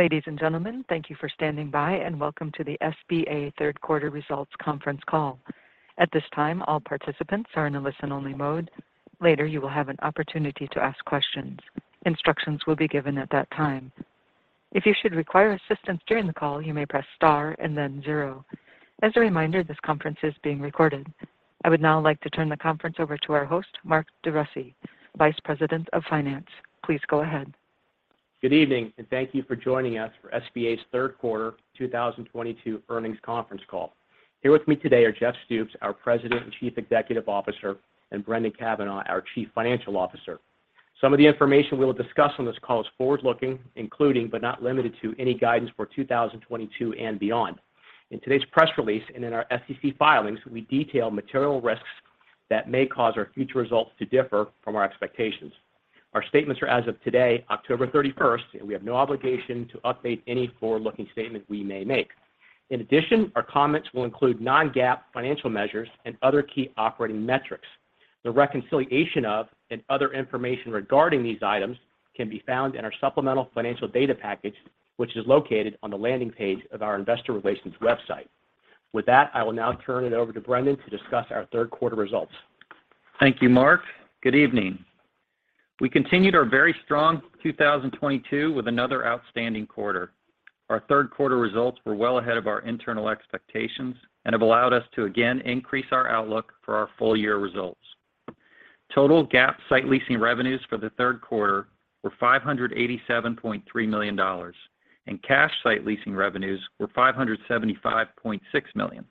Ladies and gentlemen, thank you for standing by, and welcome to the SBA Third Quarter Results Conference Call. At this time, all participants are in a listen-only mode. Later, you will have an opportunity to ask questions. Instructions will be given at that time. If you should require assistance during the call, you may press star and then 0. As a reminder, this conference is being recorded. I would now like to turn the conference over to our host, Mark DeRussy, Vice President of Finance. Please go ahead. Good evening, and thank you for joining us for SBA's Third Quarter 2022 Earnings Conference Call. Here with me today are Jeff Stoops, our President and Chief Executive Officer, and Brendan Cavanagh, our Chief Financial Officer. Some of the information we will discuss on this call is forward-looking, including, but not limited to, any guidance for 2020 and beyond. In today's press release and in our SEC filings, we detail material risks that may cause our future results to differ from our expectations. Our statements are as of today, October 31st, and we have no obligation to update any forward-looking statement we may make. In addition, our comments will include non-GAAP financial measures and other key operating metrics. The reconciliation of GAAP and other information regarding these items can be found in our supplemental financial data package, which is located on the landing page of our investor relations website. With that, I will now turn it over to Brendan to discuss our third quarter results. Thank you, Mark. Good evening. We continued our very strong 2022 with another outstanding quarter. Our third quarter results were well ahead of our internal expectations and have allowed us to again increase our outlook for our full year results. Total GAAP site leasing revenues for the third quarter were $587.3 million, and cash site leasing revenues were $575.6 million.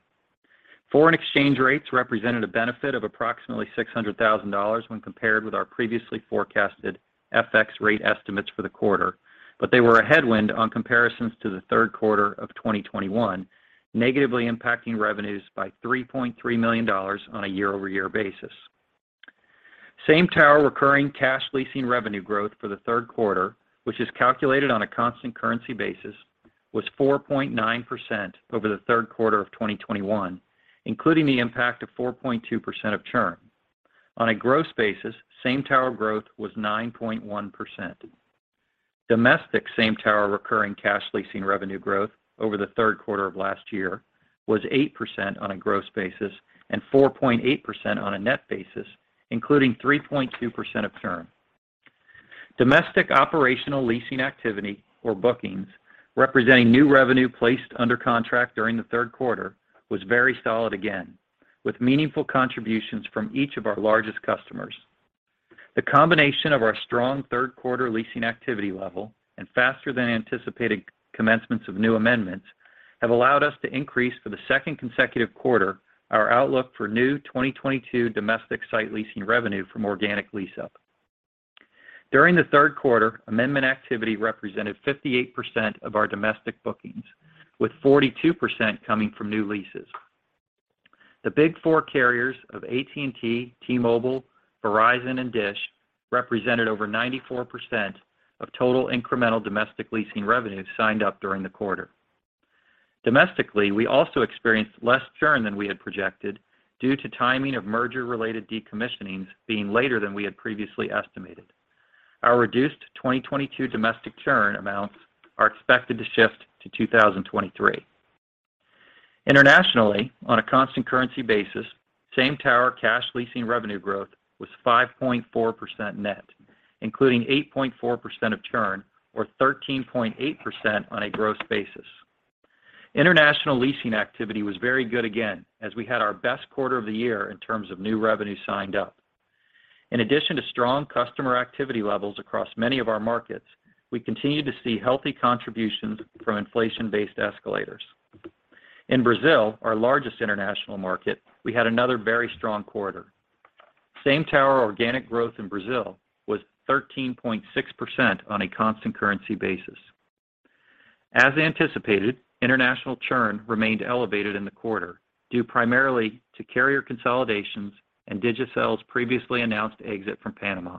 Foreign exchange rates represented a benefit of approximately $600,000 when compared with our previously forecasted FX rate estimates for the quarter, but they were a headwind on comparisons to the third quarter of 2021, negatively impacting revenues by $3.3 million on a year-over-year basis. same tower recurring cash leasing revenue growth for the third quarter, which is calculated on a constant currency basis, was 4.9% over the third quarter of 2021, including the impact of 4.2% of churn. On a gross basis, same tower growth was 9.1%. Domestic same tower recurring cash leasing revenue growth over the third quarter of last year was 8% on a gross basis and 4.8% on a net basis, including 3.2% of churn. Domestic operational leasing activity or bookings representing new revenue placed under contract during the third quarter was very solid again, with meaningful contributions from each of our largest customers. The combination of our strong third quarter leasing activity level and faster than anticipated commencements of new amendments have allowed us to increase for the second consecutive quarter our outlook for new 2022 domestic site leasing revenue from organic lease up. During the third quarter, amendment activity represented 58% of our domestic bookings, with 42% coming from new leases. The Big Four carriers of AT&T, T-Mobile and Verizon, and Dish represented over 94% of total incremental domestic leasing revenue signed up during the quarter. Domestically, we also experienced less churn than we had projected due to timing of merger-related decommissioning being later than we had previously estimated. Our reduced 2022 domestic churn amounts are expected to shift to 2023. Internationally, on a constant currency basis, same tower cash leasing revenue growth was 5.4% net, including 8.4% of churn, or 13.8% on a gross basis. International leasing activity was very good again as we had our best quarter of the year in terms of new revenue signed up. In addition to strong customer activity levels across many of our markets, we continue to see healthy contributions from inflation-based escalators. In Brazil, our largest international market, we had another very strong quarter. Same tower organic growth in Brazil was 13.6% on a constant currency basis. As anticipated, international churn remained elevated in the quarter due primarily to carrier consolidations and Digicel's previously announced exit from Panama.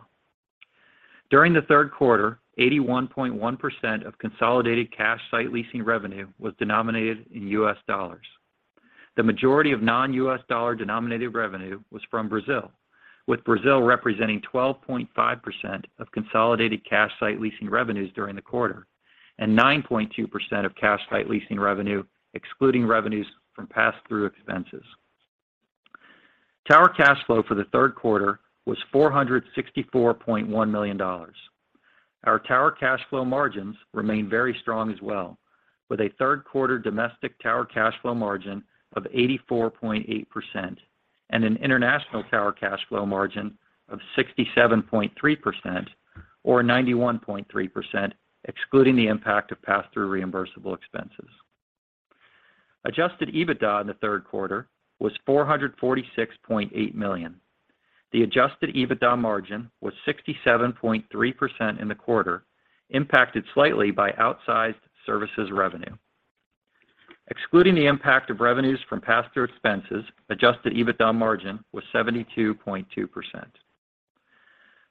During the third quarter, 81.1% of consolidated cash site leasing revenue was denominated in U.S. dollars. The majority of non-U.S. dollar denominated revenue was from Brazil, with Brazil representing 12.5% of consolidated cash site leasing revenues during the quarter and 9.2% of cash site leasing revenue excluding revenues from pass-through expenses. Tower cash flow for the third quarter was $464.1 million. Our tower cash flow margins remain very strong as well, with a third quarter domestic tower cash flow margin of 84.8% and an international tower cash flow margin of 67.3% or 91.3% excluding the impact of pass-through reimbursable expenses. Adjusted EBITDA in the third quarter was $446.8 million. The Adjusted EBITDA margin was 67.3% in the quarter, impacted slightly by outsized services revenue. Excluding the impact of revenues from pass-through expenses, Adjusted EBITDA margin was 72.2%.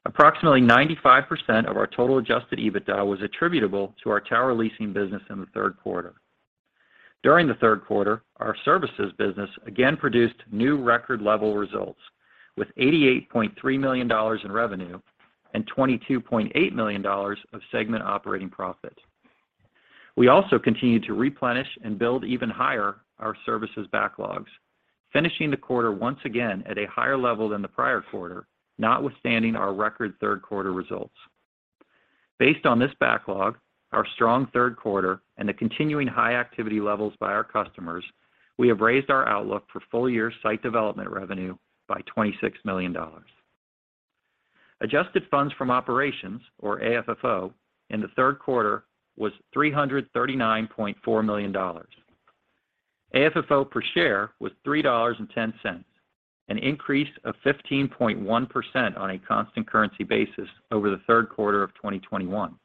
Approximately 95% of our total Adjusted EBITDA was attributable to our tower leasing business in the third quarter. During the third quarter, our services business again produced new record level results with $88.3 million in revenue and $22.8 million of segment operating profit. We also continued to replenish and build even higher our services backlogs, finishing the quarter once again at a higher level than the prior quarter, notwithstanding our record third quarter results. Based on this backlog, our strong third quarter and the continuing high activity levels by our customers, we have raised our outlook for full year site development revenue by $26 million. Adjusted funds from operations or AFFO in the third quarter was $339.4 million. AFFO per share was $3.10, an increase of 15.1% on a constant currency basis over the third quarter of 2021.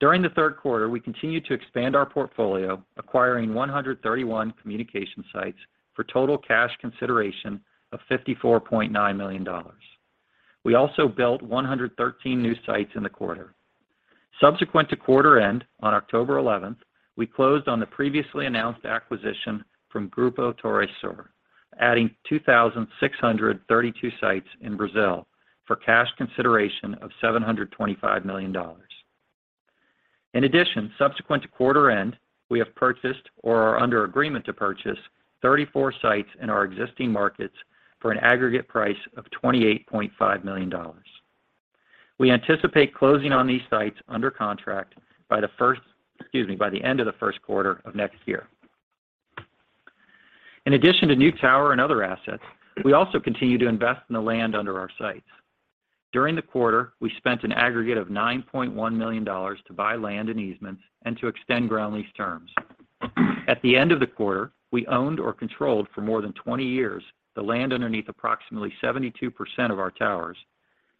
During the third quarter, we continued to expand our portfolio, acquiring 131 communication sites for total cash consideration of $54.9 million. We also built 113 new sites in the quarter. Subsequent to quarter end, on October 11, we closed on the previously announced acquisition from Grupo TorreSur, adding 2,632 sites in Brazil for cash consideration of $725 million. In addition, subsequent to quarter end, we have purchased or are under agreement to purchase 34 sites in our existing markets for an aggregate price of $28.5 million. We anticipate closing on these sites under contract by the end of the first quarter of next year. In addition to new tower and other assets, we also continue to invest in the land under our sites. During the quarter, we spent an aggregate of $9.1 million to buy land and easements and to extend ground lease terms. At the end of the quarter, we owned or controlled for more than 20 years the land underneath approximately 72% of our towers.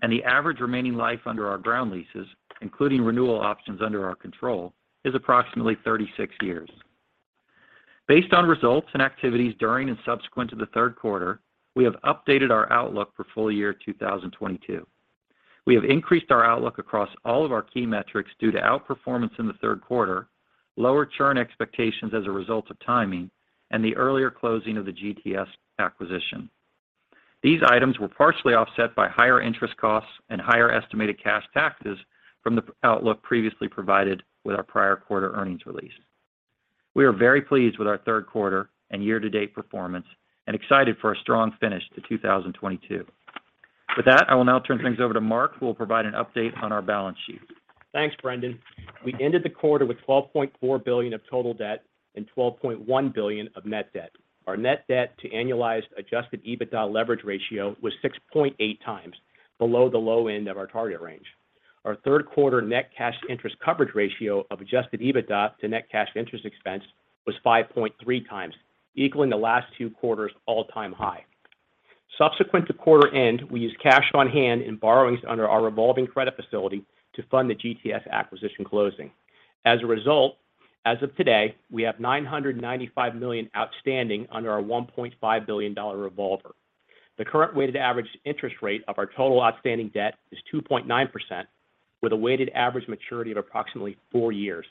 The average remaining life under our ground leases, including renewal options under our control, is approximately 36 years. Based on results and activities during and subsequent to the third quarter, we have updated our outlook for full year 2022. We have increased our outlook across all of our key metrics due to outperformance in the third quarter, lower churn expectations as a result of timing, and the earlier closing of the GTS acquisition. These items were partially offset by higher interest costs and higher estimated cash taxes from the outlook previously provided with our prior quarter earnings release. We are very pleased with our third quarter and year-to-date performance and excited for a strong finish to 2022. With that, I will now turn things over to Mark, who will provide an update on our balance sheet. Thanks, Brendan. We ended the quarter with $12.4 billion of total debt and $12.1 billion of net debt. Our net debt to annualized Adjusted EBITDA leverage ratio was 6.8x below the low end of our target range. Our third quarter net cash interest coverage ratio of Adjusted EBITDA to net cash interest expense was 5.3x, equaling the last two quarters all-time high. Subsequent to quarter end, we used cash on hand in borrowings under our revolving credit facility to fund the GTS acquisition closing. As a result, as of today, we have $995 million outstanding under our $1.5 billion revolver. The current weighted average interest rate of our total outstanding debt is 2.9%, with a weighted average maturity of approximately four years.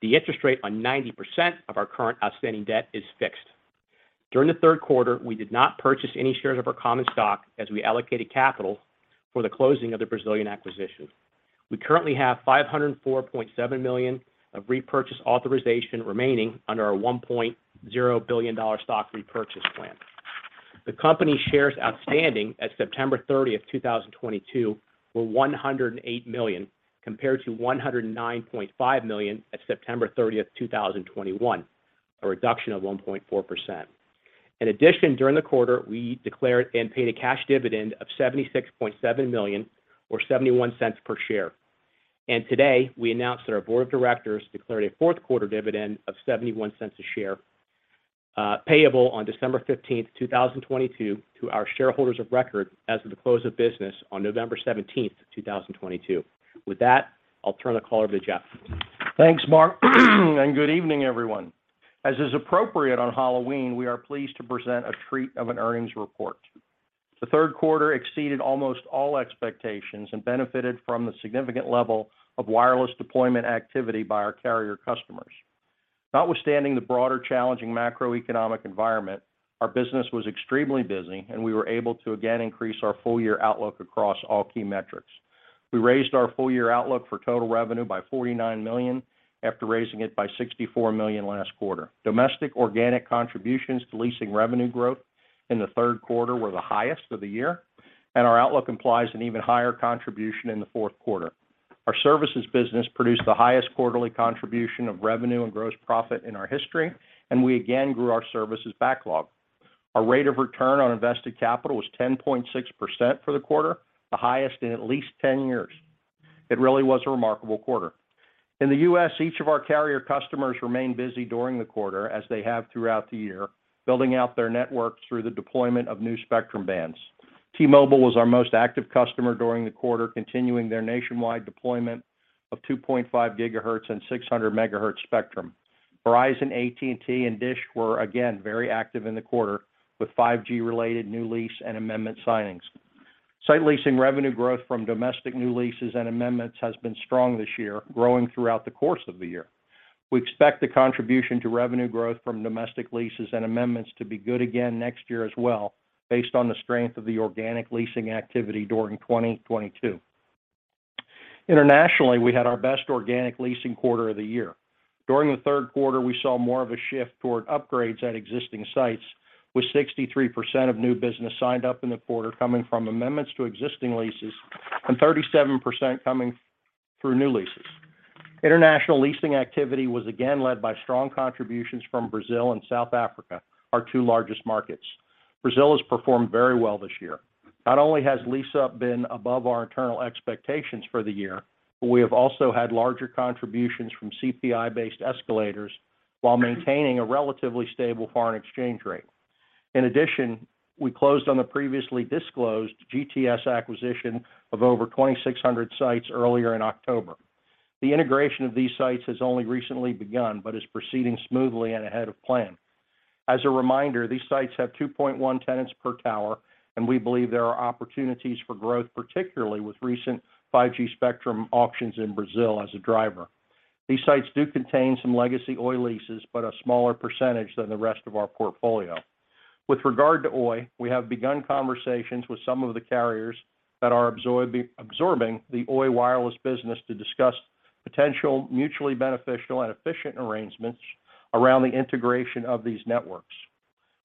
The interest rate on 90% of our current outstanding debt is fixed. During the third quarter, we did not purchase any shares of our common stock as we allocated capital for the closing of the Brazilian acquisition. We currently have $504.7 million of repurchase authorization remaining under our $1.0 billion stock repurchase plan. The company shares outstanding at September 30th, 2022, were 108 million, compared to 109.5 million at September 30th, 2021, a reduction of 1.4%. In addition, during the quarter, we declared and paid a cash dividend of $76.7 million or $0.71 per share. Today we announced that our board of directors declared a fourth quarter dividend of $0.71 a share, payable on December 15th, 2022, to our shareholders of record as of the close of business on November 17th, 2022. With that, I'll turn the call over to Jeff. Thanks, Mark, and good evening, everyone. As is appropriate on Halloween, we are pleased to present a treat of an earnings report. The third quarter exceeded almost all expectations and benefited from the significant level of wireless deployment activity by our carrier customers. Notwithstanding the broader challenging macroeconomic environment, our business was extremely busy, and we were able to again increase our full year outlook across all key metrics. We raised our full year outlook for total revenue by $49 million, after raising it by $64 million last quarter. Domestic organic contributions to leasing revenue growth in the third quarter were the highest of the year, and our outlook implies an even higher contribution in the fourth quarter. Our services business produced the highest quarterly contribution of revenue and gross profit in our history, and we again grew our services backlog. Our rate of return on invested capital was 10.6% for the quarter, the highest in at least 10 years. It really was a remarkable quarter. In the U.S., each of our carrier customers remained busy during the quarter as they have throughout the year, building out their networks through the deployment of new spectrum bands. T-Mobile was our most active customer during the quarter, continuing their nationwide deployment of 2.5 GHz and 600 MHz spectrum. Verizon, AT&T, and Dish were again very active in the quarter with 5G related new lease and amendment signings. Site leasing revenue growth from domestic new leases and amendments has been strong this year, growing throughout the course of the year. We expect the contribution to revenue growth from domestic leases and amendments to be good again next year as well based on the strength of the organic leasing activity during 2022. Internationally, we had our best organic leasing quarter of the year. During the third quarter, we saw more of a shift toward upgrades at existing sites, with 63% of new business signed up in the quarter coming from amendments to existing leases and 37% coming through new leases. International leasing activity was again led by strong contributions from Brazil and South Africa, our two largest markets. Brazil has performed very well this year. Not only has lease-up been above our internal expectations for the year, but we have also had larger contributions from CPI-based escalators while maintaining a relatively stable foreign exchange rate. In addition, we closed on the previously disclosed GTS acquisition of over 2,600 sites earlier in October. The integration of these sites has only recently begun, but is proceeding smoothly and ahead of plan. As a reminder, these sites have 2.1 tenants per tower, and we believe there are opportunities for growth, particularly with recent 5G spectrum auctions in Brazil as a driver. These sites do contain some legacy Oi leases, but a smaller percentage than the rest of our portfolio. With regard to Oi, we have begun conversations with some of the carriers that are absorbing the Oi wireless business to discuss potential mutually beneficial and efficient arrangements around the integration of these networks.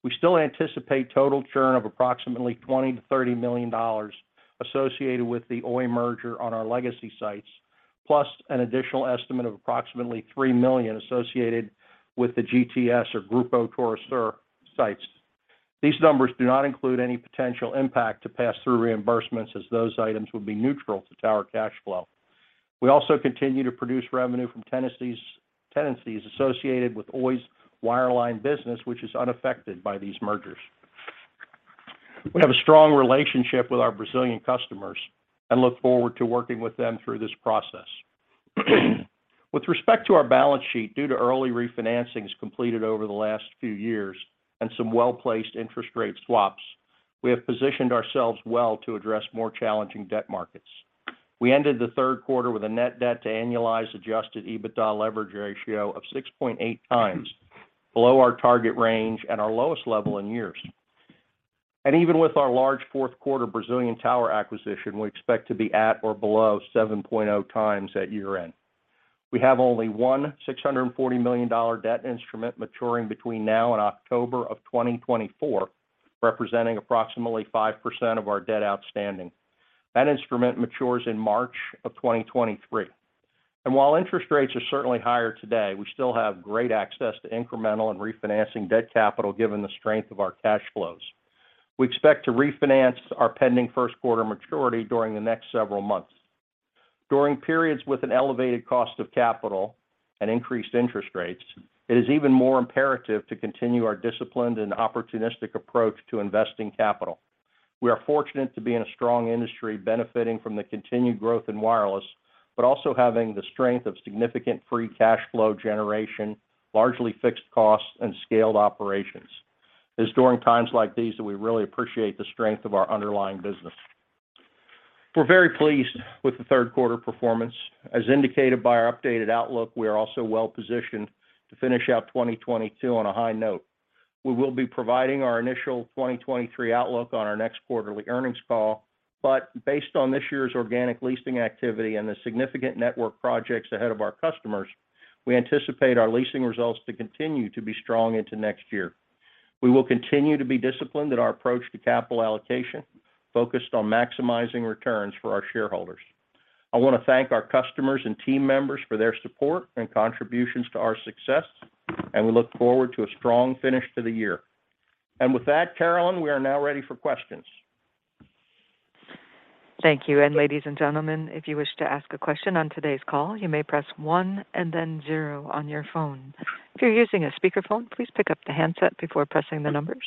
We still anticipate total churn of approximately $20 million-$30 million associated with the Oi merger on our legacy sites, plus an additional estimate of approximately $3 million associated with the GTS or Grupo TorreSur sites. These numbers do not include any potential impact to pass through reimbursements as those items would be neutral to Tower Cash Flow. We also continue to produce revenue from tenancies associated with Oi's wireline business, which is unaffected by these mergers. We have a strong relationship with our Brazilian customers and look forward to working with them through this process. With respect to our balance sheet, due to early refinancings completed over the last few years and some well-placed interest rate swaps, we have positioned ourselves well to address more challenging debt markets. We ended the third quarter with a net debt to annualized Adjusted EBITDA leverage ratio of 6.8x, below our target range at our lowest level in years. Even with our large fourth quarter Brazilian tower acquisition, we expect to be at or below 7x at year-end. We have only one $160 million debt instrument maturing between now and October 2024, representing approximately 5% of our debt outstanding. That instrument matures in March 2023. While interest rates are certainly higher today, we still have great access to incremental and refinancing debt capital, given the strength of our cash flows. We expect to refinance our pending first quarter maturity during the next several months. During periods with an elevated cost of capital and increased interest rates, it is even more imperative to continue our disciplined and opportunistic approach to investing capital. We are fortunate to be in a strong industry benefiting from the continued growth in wireless, but also having the strength of significant free cash flow generation, largely fixed costs and scaled operations. It's during times like these that we really appreciate the strength of our underlying business. We're very pleased with the third quarter performance. As indicated by our updated outlook, we are also well positioned to finish out 2022 on a high note. We will be providing our initial 2023 outlook on our next quarterly earnings call. Based on this year's organic leasing activity and the significant network projects ahead of our customers, we anticipate our leasing results to continue to be strong into next year. We will continue to be disciplined in our approach to capital allocation, focused on maximizing returns for our shareholders. I want to thank our customers and team members for their support and contributions to our success, and we look forward to a strong finish to the year. With that, Carolyn, we are now ready for questions. Thank you. Ladies and gentlemen, if you wish to ask a question on today's call, you may press one and then 0 on your phone. If you're using a speakerphone, please pick up the handset before pressing the numbers.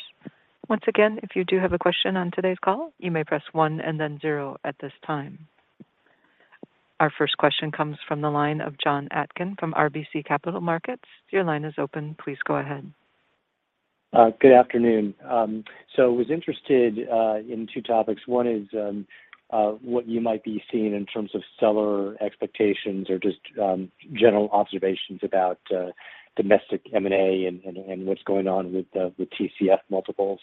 Once again, if you do have a question on today's call, you may press one and then 0 at this time. Our first question comes from the line of John Atkin from RBC Capital Markets. Your line is open. Please go ahead. Good afternoon. Was interested in two topics. One is what you might be seeing in terms of seller expectations or just general observations about domestic M&A and what's going on with the TCF multiples.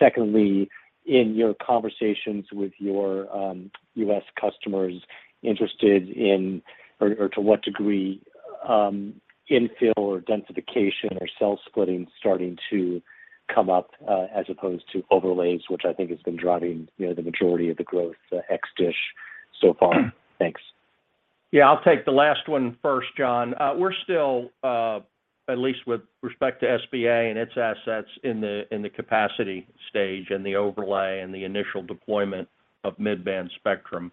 Secondly, in your conversations with your U.S. customers interested in or to what degree infill or densification or cell splitting starting to come up as opposed to overlays, which I think has been driving, you know, the majority of the growth ex-Dish so far. Thanks. Yeah. I'll take the last one first, Jonathan. We're still, at least with respect to SBA and its assets in the capacity stage and the overlay and the initial deployment of mid-band spectrum.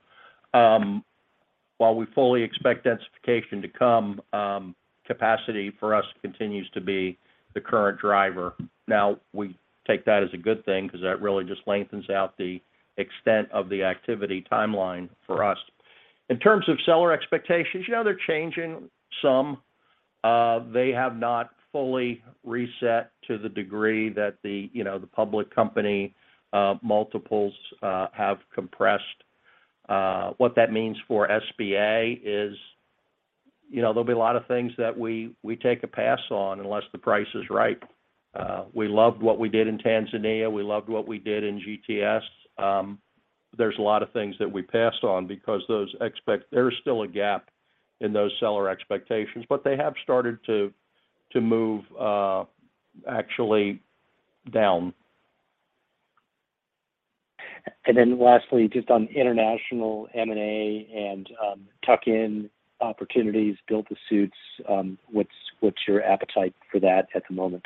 While we fully expect densification to come, capacity for us continues to be the current driver. Now, we take that as a good thing because that really just lengthens out the extent of the activity timeline for us. In terms of seller expectations, you know, they're changing some. They have not fully reset to the degree that the, you know, the public company multiples have compressed. What that means for SBA is, you know, there'll be a lot of things that we take a pass on unless the price is right. We loved what we did in Tanzania. We loved what we did in GTS. There's a lot of things that we passed on because those expectations. There's still a gap in those seller expectations. They have started to move actually down. Lastly, just on international M&A and tuck-in opportunities, build-to-suits, what's your appetite for that at the moment?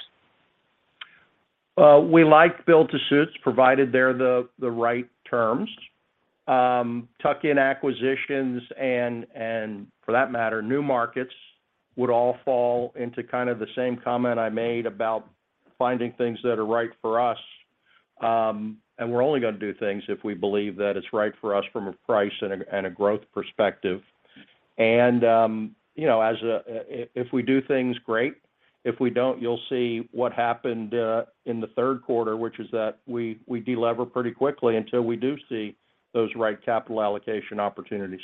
We like build-to-suits, provided they're the right terms. Tuck-in acquisitions and for that matter, new markets would all fall into kind of the same comment I made about finding things that are right for us. We're only gonna do things if we believe that it's right for us from a price and a growth perspective. You know, if we do things, great. If we don't, you'll see what happened in the third quarter, which is that we de-lever pretty quickly until we do see those right capital allocation opportunities.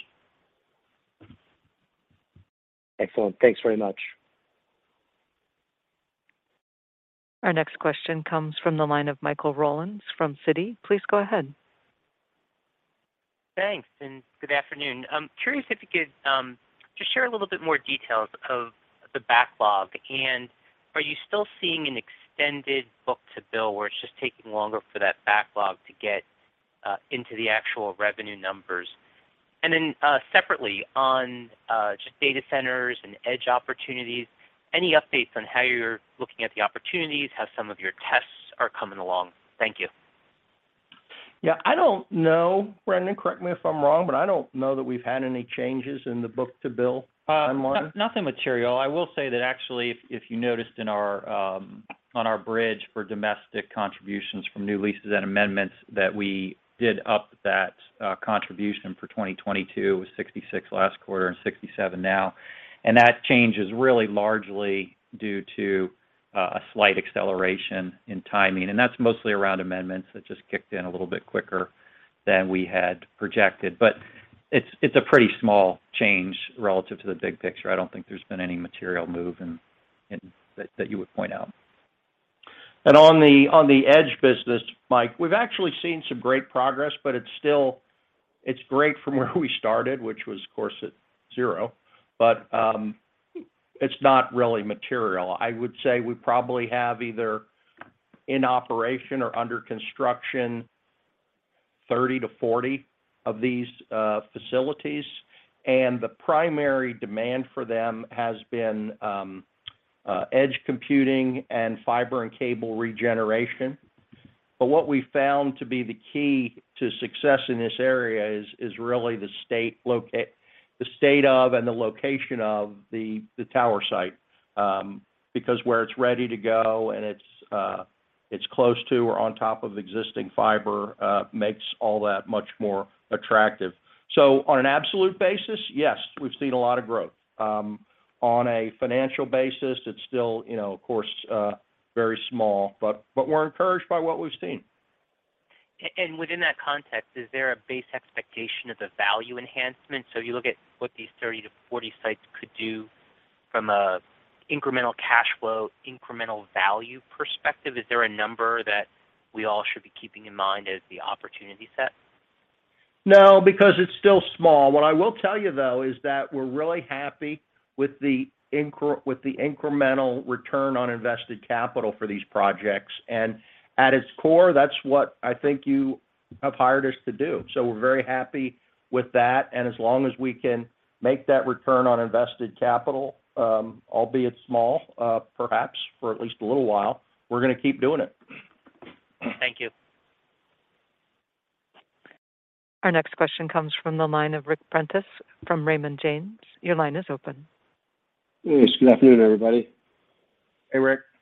Excellent. Thanks very much. Our next question comes from the line of Michael Rollins from Citi. Please go ahead. Thanks, and good afternoon. I'm curious if you could just share a little bit more details of the backlog. Are you still seeing an extended book-to-bill where it's just taking longer for that backlog to get into the actual revenue numbers? Separately, on just data centers and edge opportunities, any updates on how you're looking at the opportunities? How some of your tests are coming along? Thank you. Yeah, I don't know. Brendan, correct me if I'm wrong, but I don't know that we've had any changes in the book-to-bill timeline. Nothing material. I will say that actually if you noticed in our bridge for domestic contributions from new leases and amendments, that we bumped up that contribution for 2022. It was 66 last quarter and 67 now. That change is really largely due to a slight acceleration in timing, and that's mostly around amendments that just kicked in a little bit quicker than we had projected. It's a pretty small change relative to the big picture. I don't think there's been any material move in that you would point out. On the edge business, Mike, we've actually seen some great progress, but it's still. It's great from where we started, which was, of course, at 0. But it's not really material. I would say we probably have either in operation or under construction 30-40 of these facilities. The primary demand for them has been edge computing and fiber and cable regeneration. But what we found to be the key to success in this area is really the state and the location of the tower site. Because where it's ready to go and it's close to or on top of existing fiber makes all that much more attractive. So on an absolute basis, yes, we've seen a lot of growth. On a financial basis, it's still, you know, of course, very small, but we're encouraged by what we've seen. Within that context, is there a base expectation of the value enhancement? You look at what these 30-40 sites could do from an incremental cash flow, incremental value perspective. Is there a number that we all should be keeping in mind as the opportunity set? No, because it's still small. What I will tell you, though, is that we're really happy with the incremental return on invested capital for these projects. At its core, that's what I think you have hired us to do. We're very happy with that. As long as we can make that return on invested capital, albeit small, perhaps for at least a little while, we're gonna keep doing it. Thank you. Our next question comes from the line of Ric Prentiss from Raymond James. Your line is open. Yes. Good afternoon, everybody. Hey, Ric. Hey.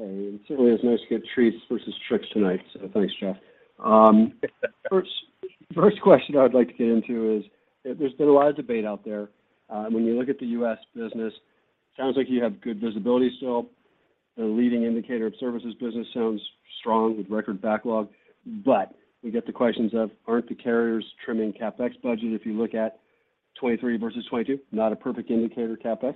It certainly is nice to get treats versus tRics tonight, so thanks, Jeff. First question I would like to get into is, there's been a lot of debate out there, when you look at the U.S. business, sounds like you have good visibility still. The leading indicator of services business sounds strong with record backlog. We get the questions of, aren't the carriers trimming CapEx budget if you look at 2023 versus 2022? Not a perfect indicator, CapEx.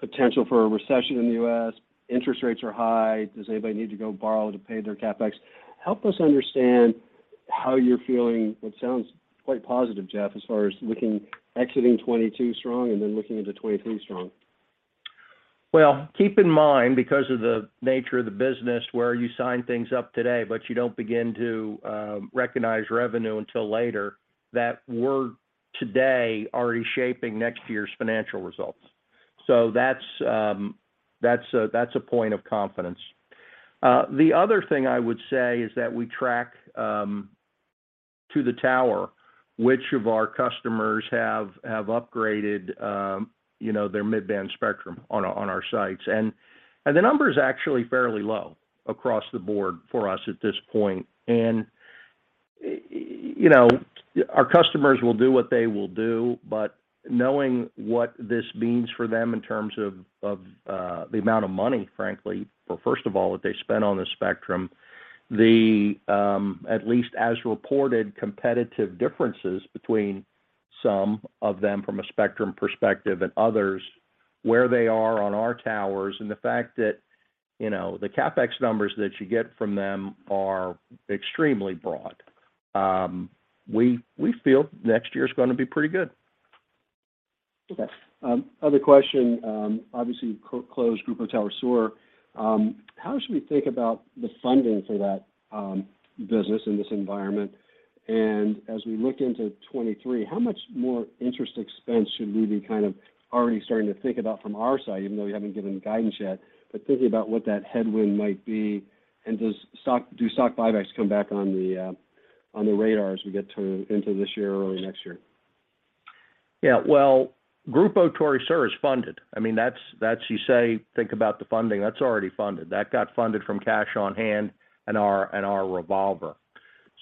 Potential for a recession in the U.S. Interest rates are high. Does anybody need to go borrow to pay their CapEx? Help us understand how you're feeling, what sounds quite positive, Jeff, as far as looking exiting 2022 strong and then looking into 2023 strong. Well, keep in mind, because of the nature of the business, where you sign things up today, but you don't begin to recognize revenue until later, that we're today already shaping next year's financial results. That's a point of confidence. The other thing I would say is that we track to the tower, which of our customers have upgraded, you know, their mid-band spectrum on our sites. The number is actually fairly low across the board for us at this point. You know, our customers will do what they will do, but knowing what this means for them in terms of the amount of money, frankly, for first of all that they spent on the spectrum, the at least as reported, competitive differences between some of them from a spectrum perspective and others, where they are on our towers, and the fact that, you know, the CapEx numbers that you get from them are extremely broad. We feel next year is gonna be pretty good. Okay. Other question, obviously closed Grupo TorreSur, how should we think about the funding for that business in this environment? As we look into 2023, how much more interest expense should we be kind of already starting to think about from our side, even though you haven't given guidance yet, but thinking about what that headwind might be, and do stock buybacks come back on the radar as we get into this year or next year? Yeah. Well, Grupo TorreSur is funded. I mean, think about the funding, that's already funded. That got funded from cash on hand and our revolver.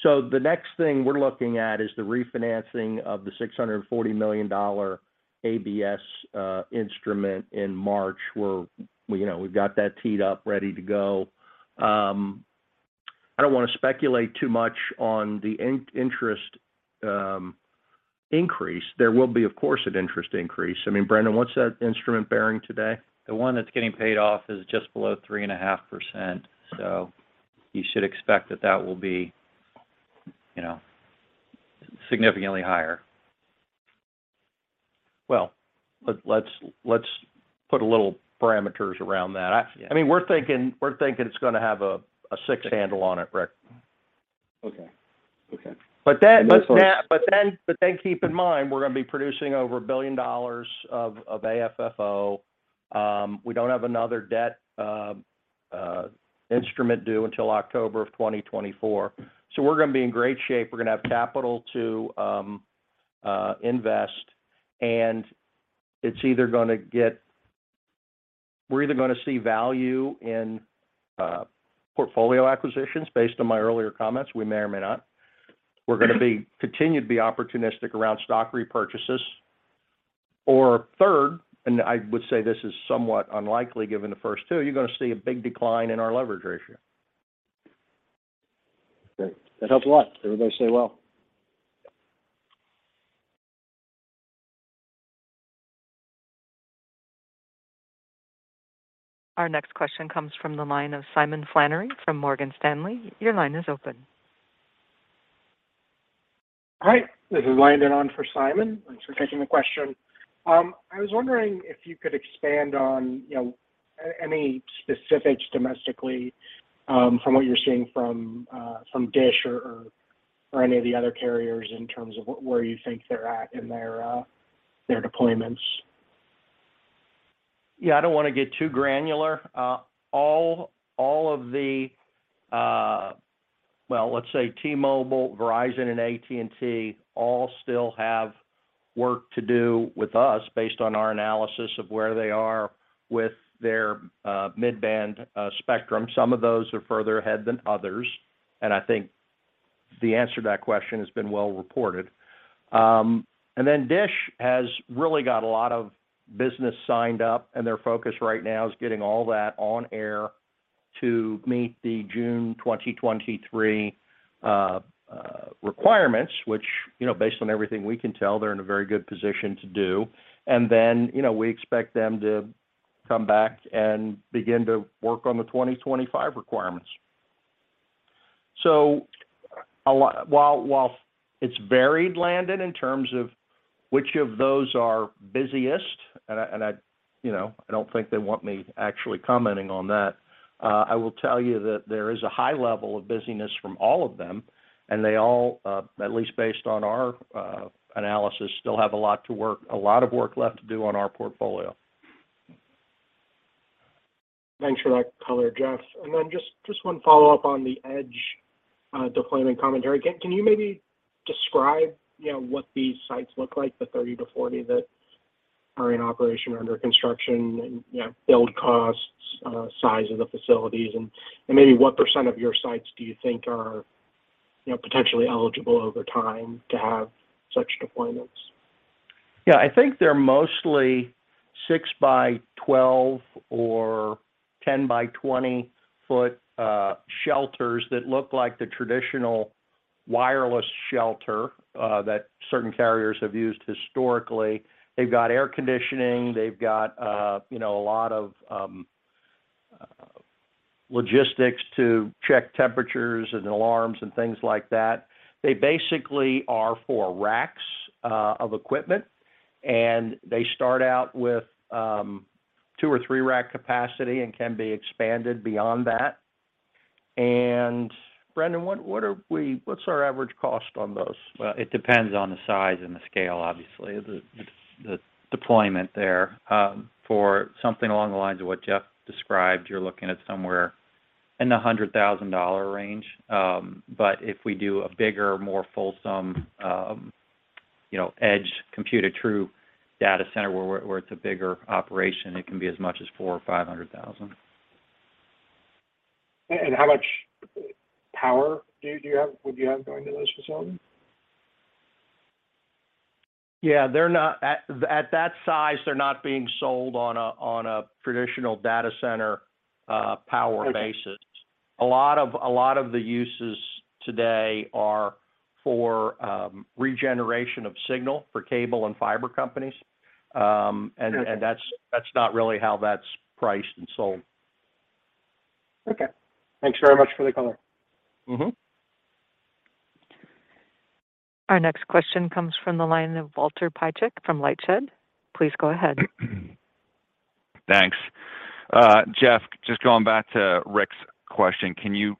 The next thing we're looking at is the refinancing of the $640 million ABS instrument in March, where, you know, we've got that teed up, ready to go. I don't wanna speculate too much on the interest increase. There will be, of course, an interest increase. I mean, Brendan, what's that instrument bearing today? The one that's getting paid off is just below 3.5%, so you should expect that will be, you know, significantly higher. Well, let's put a little parameters around that. Yeah. I mean, we're thinking it's gonna have a six handle on it, Ric. Okay. But then- But so- Keep in mind, we're gonna be producing over $1 billion of AFFO. We don't have another debt instrument due until October 2024. We're gonna be in great shape. We're gonna have capital to invest, and we're either gonna see value in portfolio acquisitions, based on my earlier comments, we may or may not. We're gonna continue to be opportunistic around stock repurchases. Or third, and I would say this is somewhat unlikely given the first two, you're gonna see a big decline in our leverage ratio. Okay. That helps a lot. Everybody stay well. Our next question comes from the line of Simon Flannery from Morgan Stanley. Your line is open. Hi. This is Landon on for Simon. Thanks for taking the question. I was wondering if you could expand on, you know, any specifics domestically, from what you're seeing from Dish or any of the other carriers in terms of where you think they're at in their deployments. Yeah. I don't wanna get too granular. All of the... Well, let's say T-Mobile, Verizon, and AT&T all still have work to do with us based on our analysis of where they are with their mid-band spectrum. Some of those are further ahead than others, and I think the answer to that question has been well reported. Dish has really got a lot of business signed up, and their focus right now is getting all that on air to meet the June 2023 requirements, which, you know, based on everything we can tell, they're in a very good position to do. Then, you know, we expect them to come back and begin to work on the 2025 requirements. While it's varied, Landon, in terms of which of those are busiest, and I, you know, I don't think they want me actually commenting on that, I will tell you that there is a high level of busyness from all of them, and they all, at least based on our analysis, still have a lot of work left to do on our portfolio. Thanks for that color, Jeff. Then just one follow-up on the edge deployment commentary. Can you maybe describe, you know, what these sites look like, the 30-40 that are in operation or under construction and, you know, build costs, size of the facilities, and maybe what percent of your sites do you think are, you know, potentially eligible over time to have such deployments? Yeah. I think they're mostly 6% by 12% or 10% by 20% foot shelters that look like the traditional wireless shelter that certain carriers have used historically. They've got air conditioning. They've got, you know, a lot of logistics to check temperatures and alarms and things like that. They basically are for racks of equipment, and they start out with two or three rack capacity and can be expanded beyond that. Brendan, what's our average cost on those? Well, it depends on the size and the scale, obviously. The deployment there, for something along the lines of what Jeff described, you're looking at somewhere in the $100,000 range. If we do a bigger, more fulsome, you know, edge compute, a true data center where it's a bigger operation, it can be as much as $400,000-$500,000. How much power would you have going to those facilities? Yeah, they're not. At that size, they're not being sold on a traditional data center power basis. Okay. A lot of the uses today are for regeneration of signal for cable and fiber companies. That's not really how that's priced and sold. Okay. Thanks very much for the color. Mm-hmm. Our next question comes from the line of Walter Piecyk from LightShed. Please go ahead. Thanks. Jeff, just going back to Ric's question, can you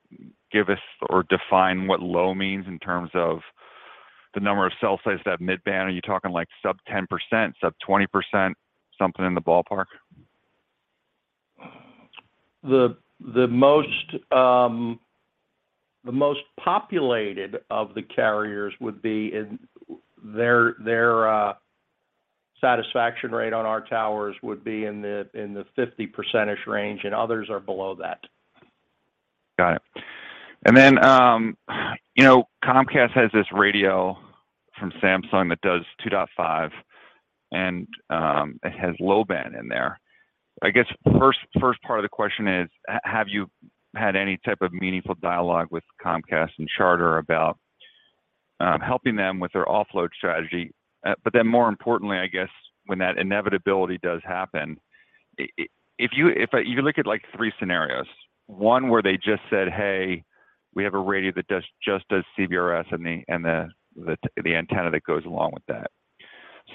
give us or define what low means in terms of the number of cell sites that have mid-band? Are you talking, like, sub-10%, sub-20%, something in the ballpark? Their satisfaction rate on our towers would be in the 50%-ish range, and others are below that. Got it. You know, Comcast has this radio from Samsung that does 2.5 and, it has low band in there. I guess first part of the question is, have you had any type of meaningful dialogue with Comcast and Charter about, helping them with their offload strategy? More importantly, I guess, when that inevitability does happen, if you, if you look at, like, three scenarios, one where they just said, "Hey, we have a radio that just does CBRS," and the antenna that goes along with that.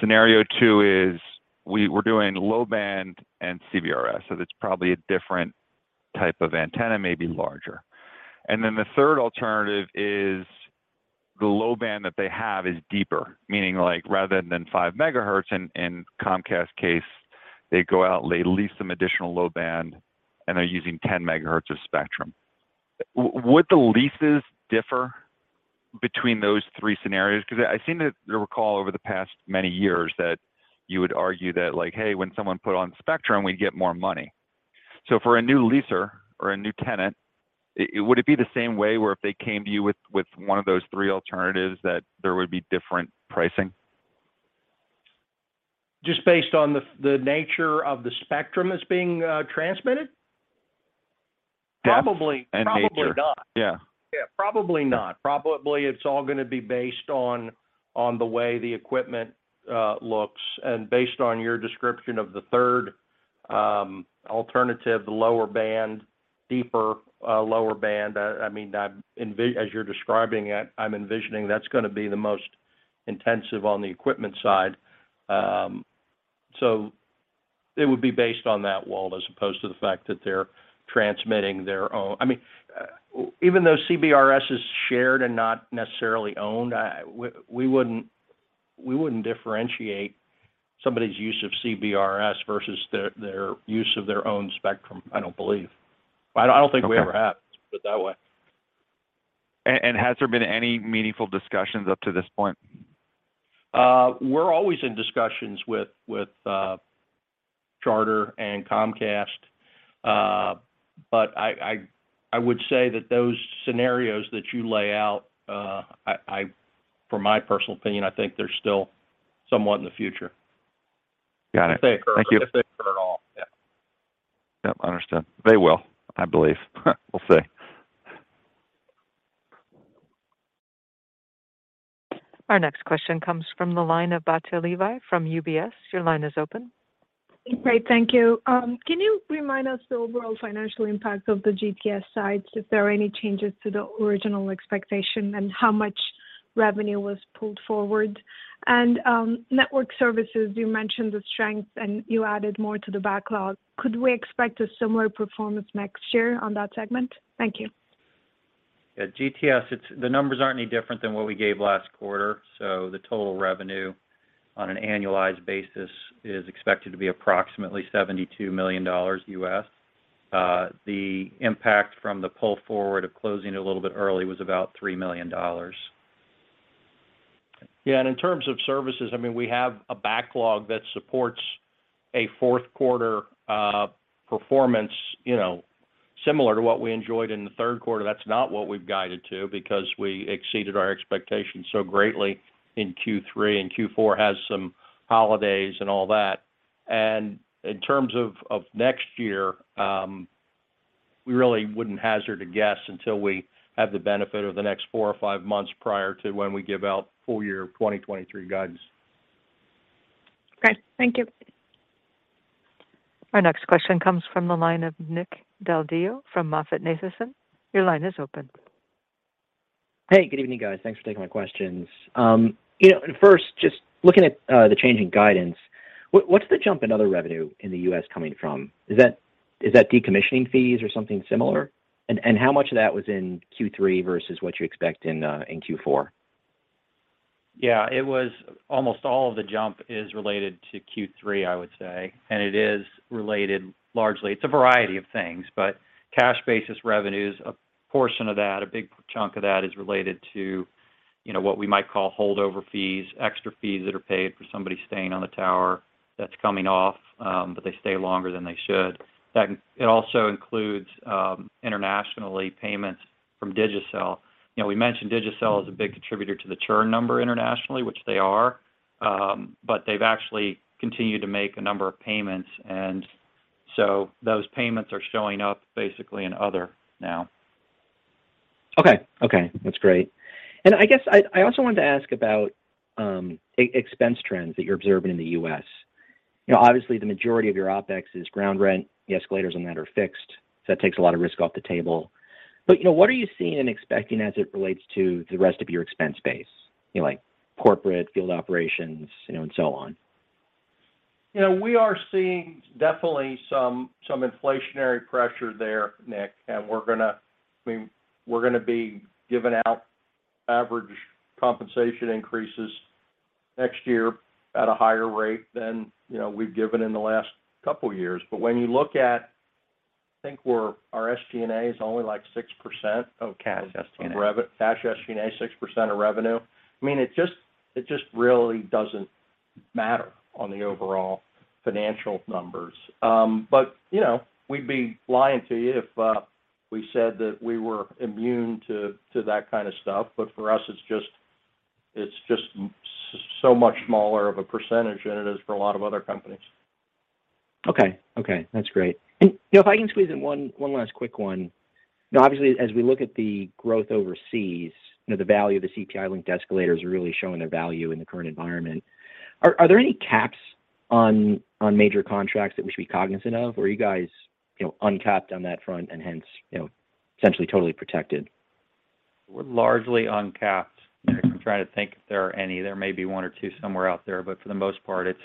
Scenario two is we're doing low band and CBRS, so that's probably a different type of antenna, maybe larger. The third alternative is the low band that they have is deeper. Meaning, like, rather than 5 MHz, in Comcast's case, they go out and they lease some additional low band, and they're using 10 MHz of spectrum. Would the leases differ between those three scenarios? 'Cause I seem to recall over the past many years that you would argue that, like, "Hey, when someone put on spectrum, we'd get more money." For a new lessor or a new tenant, would it be the same way where if they came to you with one of those three alternatives, that there would be different pricing? Just based on the nature of the spectrum that's being transmitted? Yeah. Probably. nature. Probably not. Yeah. Yeah, probably not. Probably it's all gonna be based on the way the equipment looks. Based on your description of the third alternative, the lower band, deeper lower band, I mean, as you're describing it, I'm envisioning that's gonna be the most intensive on the equipment side. So it would be based on that, Walt, as opposed to the fact that they're transmitting their own. I mean, even though CBRS is shared and not necessarily owned, we wouldn't differentiate somebody's use of CBRS versus their use of their own spectrum, I don't believe. I don't think we ever have- Okay put it that way. Has there been any meaningful discussions up to this point? We're always in discussions with Charter and Comcast. I would say that those scenarios that you lay out. In my personal opinion, I think they're still somewhat in the future. Got it. If they occur. Thank you. If they occur at all. Yeah. Yep, I understand. They will, I believe. We'll see. Our next question comes from the line of Batya Levi from UBS. Your line is open. Great. Thank you. Can you remind us the overall financial impact of the GTS side? If there are any changes to the original expectation, and how much revenue was pulled forward? Network services, you mentioned the strengths, and you added more to the backlog. Could we expect a similar performance next year on that segment? Thank you. Yeah, GTS, the numbers aren't any different than what we gave last quarter. The total revenue on an annualized basis is expected to be approximately $72 million. The impact from the pull forward of closing a little bit early was about $3 million. Yeah, in terms of services, I mean, we have a backlog that supports a fourth quarter performance, you know, similar to what we enjoyed in the third quarter. That's not what we've guided to because we exceeded our expectations so greatly in Q3, and Q4 has some holidays and all that. In terms of next year, we really wouldn't hazard a guess until we have the benefit of the next four or five months prior to when we give out full year 2023 guidance. Great. Thank you. Our next question comes from the line of Nick Del Deo from MoffettNathanson. Your line is open. Hey, good evening, guys. Thanks for taking my questions. You know, first, just looking at the change in guidance, what's the jump in other revenue in the U.S. coming from? Is that decommissioning fees or something similar? How much of that was in Q3 versus what you expect in Q4? Yeah. It was almost all of the jump is related to Q3, I would say. It is related largely. It's a variety of things, but cash basis revenues, a portion of that, a big chunk of that is related to. You know, what we might call holdover fees, extra fees that are paid for somebody staying on the tower that's coming off, but they stay longer than they should. It also includes international payments from Digicel. You know, we mentioned Digicel is a big contributor to the churn number internationally, which they are, but they've actually continued to make a number of payments. Those payments are showing up basically in other now. Okay. Okay, that's great. I guess I also wanted to ask about expense trends that you're observing in the U.S. You know, obviously, the majority of your OpEx is ground rent. The escalators on that are fixed, so that takes a lot of risk off the table. You know, what are you seeing and expecting as it relates to the rest of your expense base? You know, like corporate, field operations, you know, and so on. You know, we are seeing definitely some inflationary pressure there, Nick. I mean, we're gonna be giving out average compensation increases next year at a higher rate than, you know, we've given in the last couple years. When you look at, I think our SG&A is only, like, 6% of cash. Of cash SG&A. Cash SG&A, 6% of revenue. I mean, it just really doesn't matter on the overall financial numbers. You know, we'd be lying to you if we said that we were immune to that kind of stuff. For us, it's just so much smaller of a percentage than it is for a lot of other companies. Okay, that's great. You know, if I can squeeze in one last quick one. You know, obviously, as we look at the growth overseas, you know, the value of the CPI-linked escalators are really showing their value in the current environment. Are there any caps on major contracts that we should be cognizant of, or are you guys, you know, uncapped on that front and hence, you know, essentially totally protected? We're largely uncapped, Nick. I'm trying to think if there are any. There may be one or two somewhere out there, but for the most part, it's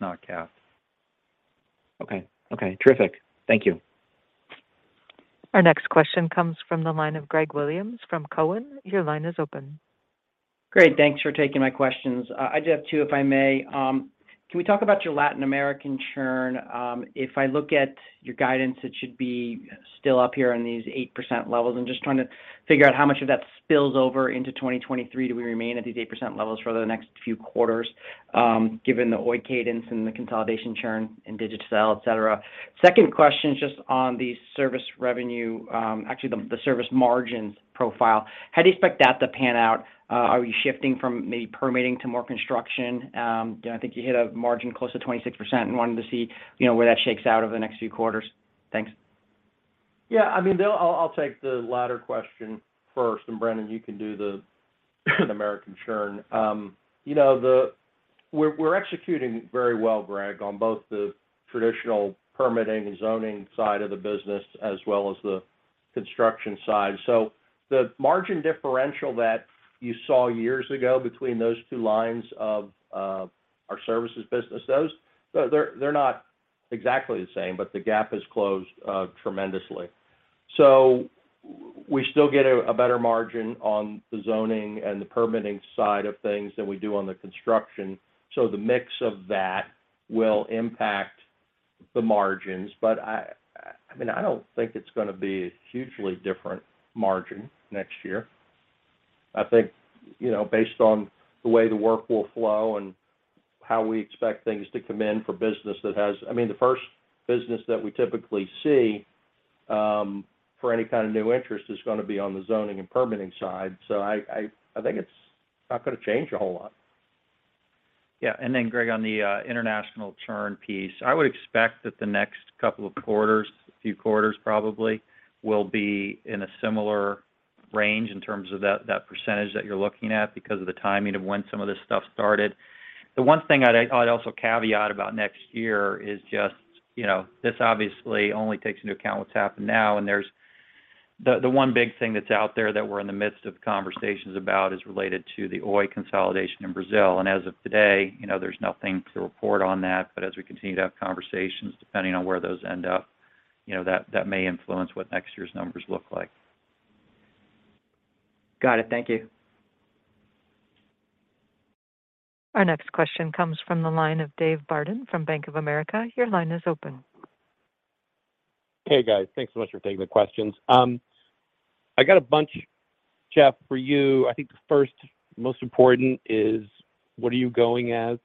not capped. Okay. Okay, terrific. Thank you. Our next question comes from the line of Greg Williams from Cowen. Your line is open. Great. Thanks for taking my questions. I just have two, if I may. Can we talk about your Latin American churn? If I look at your guidance, it should be still up here on these 8% levels. I'm just trying to figure out how much of that spills over into 2023. Do we remain at these 8% levels for the next few quarters, given the Oi cadence and the consolidation churn in Digicel, et cetera? Second question is just on the service revenue, actually the service margins profile. How do you expect that to pan out? Are you shifting from maybe permitting to more construction? You know, I think you hit a margin close to 26% and wanted to see, you know, where that shakes out over the next few quarters. Thanks. Yeah, I mean, I'll take the latter question first, and Brendan, you can do the American churn. You know, we're executing very well, Greg, on both the traditional permitting and zoning side of the business as well as the construction side. The margin differential that you saw years ago between those two lines of our services business, those, they're not exactly the same, but the gap has closed tremendously. We still get a better margin on the zoning and the permitting side of things than we do on the construction. The mix of that will impact the margins. I mean, I don't think it's gonna be a hugely different margin next year. I think, you know, based on the way the work will flow and how we expect things to come in for business I mean, the first business that we typically see for any kind of new interest is gonna be on the zoning and permitting side. I think it's not gonna change a whole lot. Yeah. Then Greg, on the international churn piece, I would expect that the next couple of quarters, few quarters probably, will be in a similar range in terms of that percentage that you're looking at because of the timing of when some of this stuff started. The one thing I'd also caveat about next year is just, you know, this obviously only takes into account what's happened now, and there's the one big thing that's out there that we're in the midst of conversations about is related to the Oi consolidation in Brazil. As of today, you know, there's nothing to report on that. As we continue to have conversations, depending on where those end up, you know, that may influence what next year's numbers look like. Got it. Thank you. Our next question comes from the line of David Barden from Bank of America. Your line is open. Hey, guys. Thanks so much for taking the questions. I got a bunch, Jeff, for you. I think the first most important is, what are you going as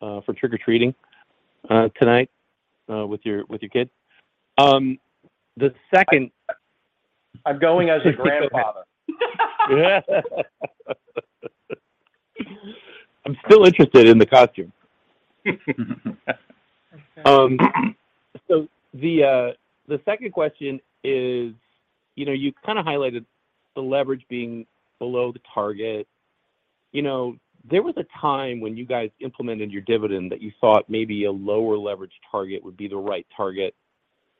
for tRic-or-treating tonight with your kids? The second- I'm going as a grandfather. I'm still interested in the consensus. The second question is, you know, you highlighted the leverage being below the target. You know, there was a time when you guys implemented your dividend that you thought maybe a lower leverage target would be the right target.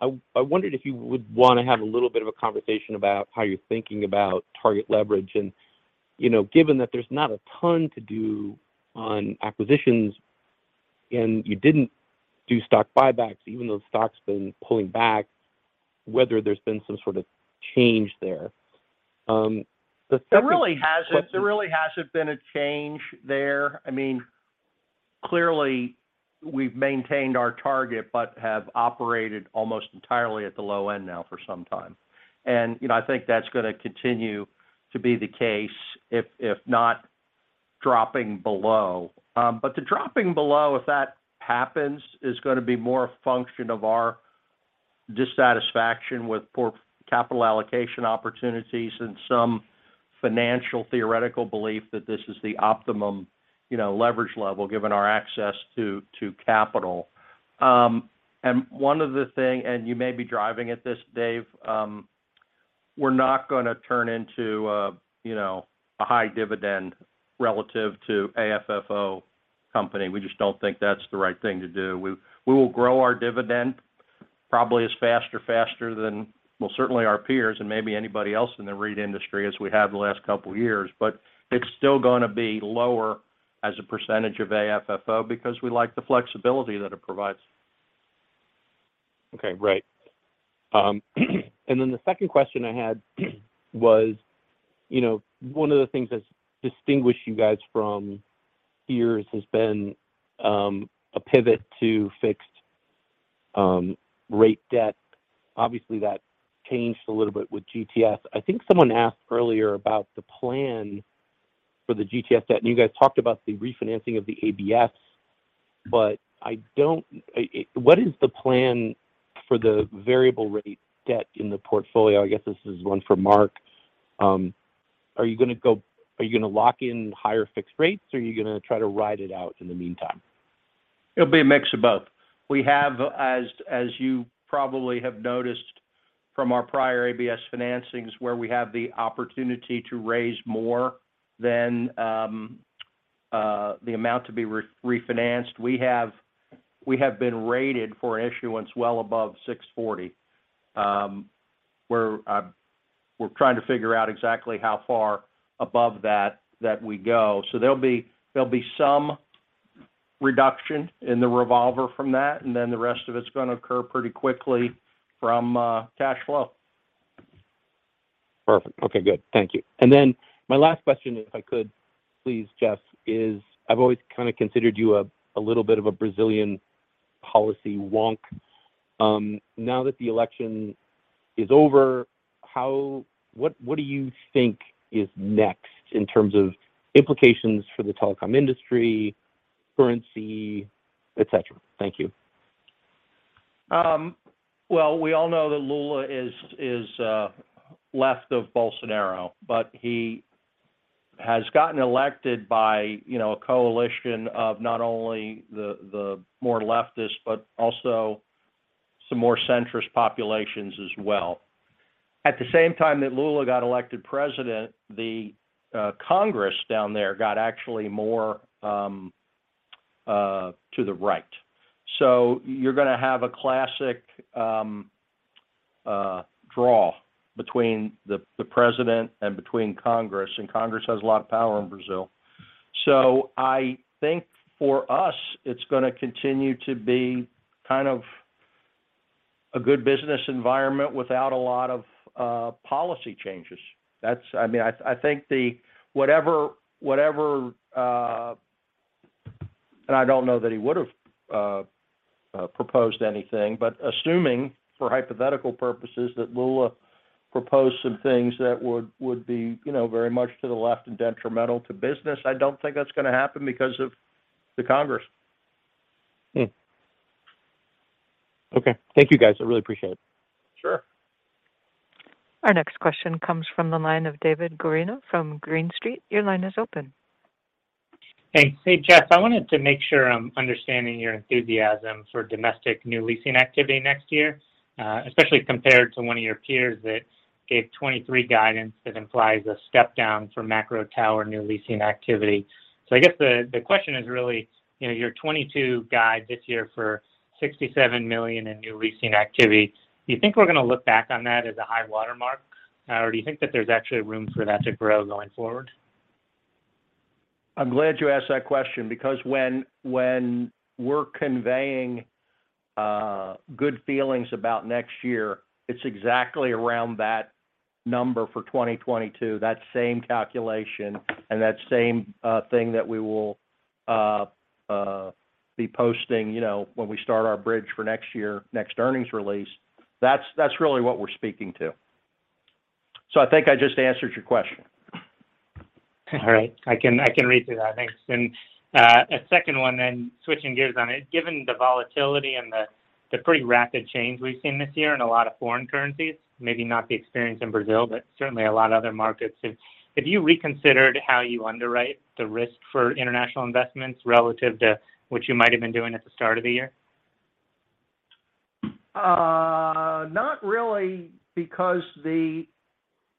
I wondered if you would wanna have a little bit of a conversation about how you're thinking about target leverage. You know, given that there's not a ton to do on acquisitions and you didn't do stock buybacks, even though the stock's been pulling back, whether there's been some sort of change there. The third- There really hasn't been a change there. I mean, clearly, we've maintained our target, but have operated almost entirely at the low end now for some time. You know, I think that's gonna continue to be the case if not dropping below. The dropping below, if that happens, is gonna be more a function of our dissatisfaction with poor capital allocation opportunities and some financial theoretical belief that this is the optimum, you know, leverage level given our access to capital. One other thing, you may be driving at this, Dave. We're not gonna turn into, you know, a high dividend relative to AFFO company. We just don't think that's the right thing to do. We will grow our dividend probably as fast or faster than. Well, certainly our peers and maybe anybody else in the REIT industry as we have the last couple years. It's still gonna be lower as a percentage of AFFO because we like the flexibility that it provides. The second question I had was, you know, one of the things that's distinguished you guys from peers has been a pivot to fixed rate debt. Obviously, that changed a little bit with GTS. I think someone asked earlier about the plan for the GTS debt, and you guys talked about the refinancing of the ABS, but what is the plan for the variable rate debt in the portfolio? I guess this is one for Mark. Are you gonna lock in higher fixed rates, or are you gonna try to ride it out in the meantime? It'll be a mix of both. We have, as you probably have noticed from our prior ABS financings, where we have the opportunity to raise more than the amount to be re-refinanced. We have been rated for an issuance well above $640. We're trying to figure out exactly how far above that we go. There'll be some reduction in the revolver from that, and then the rest of it's gonna occur pretty quickly from cash flow. Perfect. Okay. Good. Thank you. Then my last question, if I could please, Jeff, is I've always considered you a little bit of a Brazilian policy wonk. Now that the election is over, what do you think is next in terms of implications for the telecom industry, currency, et cetera? Thank you. We all know that Lula is left of Bolsonaro, but he has gotten elected by, you know, a coalition of not only the more leftist, but also some more centrist populations as well. At the same time that Lula got elected president, the Congress down there got actually more to the right. You're gonna have a classic draw between the president and Congress, and Congress has a lot of power in Brazil. I think for us, it's gonna continue to be kind of a good business environment without a lot of policy changes. I don't know that he would've proposed anything, but assuming, for hypothetical purposes, that Lula proposed some things that would be, you know, very much to the left and detrimental to business, I don't think that's gonna happen because of the Congress. Okay. Thank you, guys. I really appreciate it. Sure. Our next question comes from the line of David Guarino from Green Street. Your line is open. Hey. Hey, Jeff. I wanted to make sure I'm understanding your enthusiasm for domestic new leasing activity next year, especially compared to one of your peers that gave 2023 guidance that implies a step down for macro tower new leasing activity. I guess the question is really, you know, your 2022 guide this year for $67 million in new leasing activity, do you think we're gonna look back on that as a high watermark, or do you think that there's actually room for that to grow going forward? I'm glad you asked that question because when we're conveying good feelings about next year, it's exactly around that number for 2022, that same calculation and that same thing that we will be posting, you know, when we start our bridge for next year, next earnings release. That's really what we're speaking to. I think I just answered your question. All right. I can read through that. Thanks. A second one then, switching gears on it, given the volatility and the pretty rapid change we've seen this year in a lot of foreign currencies, maybe not the experience in Brazil, but certainly a lot of other markets, have you reconsidered how you underwrite the risk for international investments relative to what you might have been doing at the start of the year? Not really because the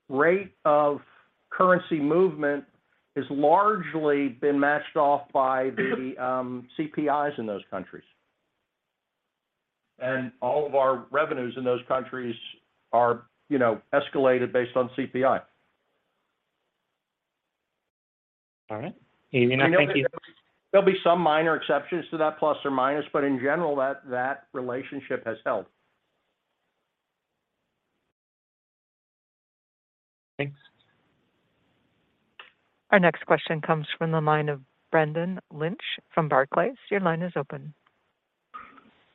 rate of currency movement has largely been matched off by the CPIs in those countries. All of our revenues in those countries are, you know, escalated based on CPI. All right. You know, thank you- I know there'll be some minor exceptions to that plus or minus, but in general, that relationship has held. Thanks. Our next question comes from the line of Brendan Lynch from Barclays. Your line is open.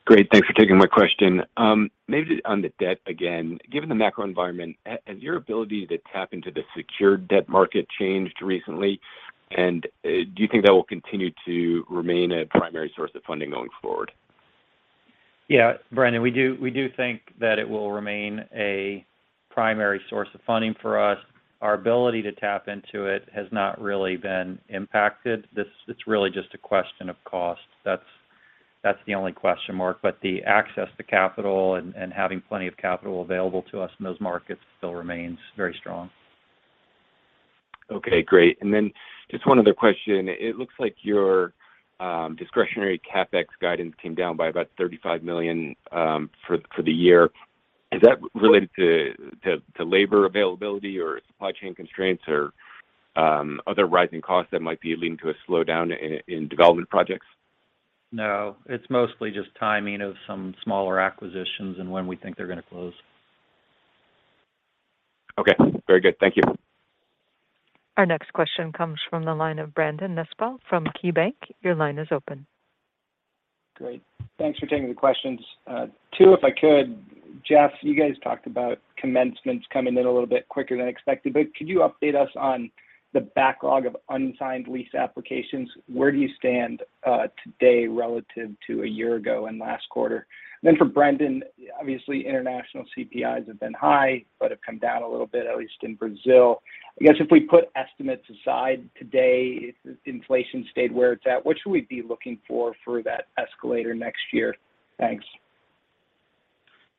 Great. Thanks for taking my question. Maybe on the debt again. Given the macro environment, has your ability to tap into the secured debt market changed recently? Do you think that will continue to remain a primary source of funding going forward? Yeah, Brendan, we do think that it will remain a primary source of funding for us. Our ability to tap into it has not really been impacted. It's really just a question of cost. That's the only question mark. The access to capital and having plenty of capital available to us in those markets still remains very strong. Okay. Great. Just one other question. It looks like your discretionary CapEx guidance came down by about $35 million for the year. Is that related to labor availability or supply chain constraints or other rising costs that might be leading to a slowdown in development projects? No. It's mostly just timing of some smaller acquisitions and when we think they're gonna close. Okay. Very good. Thank you. Our next question comes from the line of Brandon Nispel from KeyBanc. Your line is open. Great. Thanks for taking the questions. Two if I could. Jeff, you guys talked about commencements coming in a little bit quicker than expected, but could you update us on the backlog of unsigned lease applications? Where do you stand today relative to a year ago and last quarter? For Brendan, obviously international CPIs have been high but have come down a little bit, at least in Brazil. I guess if we put estimates aside today, if inflation stayed where it's at, what should we be looking for that escalator next year? Thanks.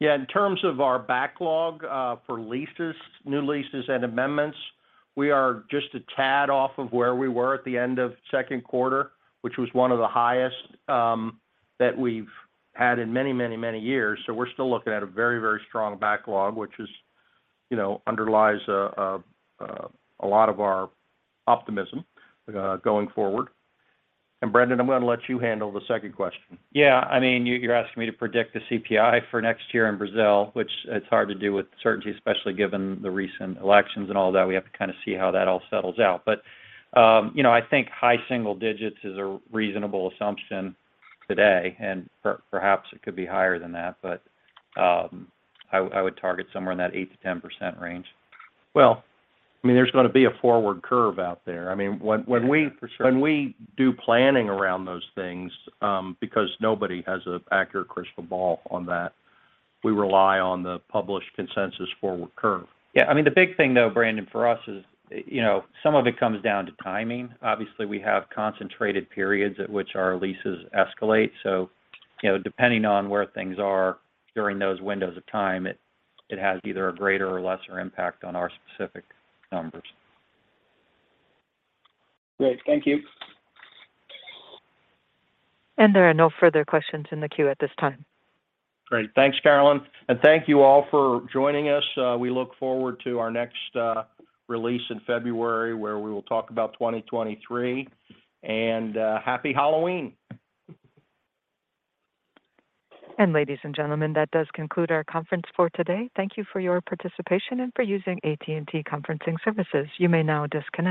Yeah. In terms of our backlog, for leases, new leases and amendments, we are just a tad off of where we were at the end of second quarter, which was one of the highest that we've had in many years. We're still looking at a very, very strong backlog, which is, you know, underlies a lot of our optimism going forward. Brendan, I'm gonna let you handle the second question. Yeah. I mean, you're asking me to predict the CPI for next year in Brazil, which it's hard to do with certainty, especially given the recent elections and all that. We have to kind of see how that all settles out. You know, I think high single digits is a reasonable assumption today. Perhaps it could be higher than that. I would target somewhere in that 8%-10% range. Well, I mean, there's gonna be a forward curve out there. I mean, when we- Yeah. For sure. When we do planning around those things, because nobody has an accurate crystal ball on that, we rely on the published consensus forward curve. Yeah. I mean, the big thing though, Brandon, for us is, you know, some of it comes down to timing. Obviously, we have concentrated periods at which our leases escalate. You know, depending on where things are during those windows of time, it has either a greater or lesser impact on our specific numbers. Great. Thank you. There are no further questions in the queue at this time. Great. Thanks, Carolyn. Thank you all for joining us. We look forward to our next release in February, where we will talk about 2023. Happy Halloween. Ladies and gentlemen, that does conclude our conference for today. Thank you for your participation and for using AT&T Conferencing services. You may now disconnect.